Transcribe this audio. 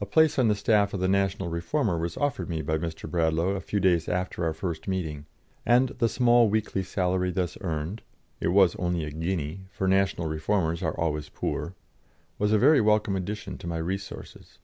A place on the staff of the National Reformer was offered me by Mr. Bradlaugh a few days after our first meeting, and the small weekly salary thus earned it was only a guinea, for national reformers are always poor was a very welcome addition to my resources.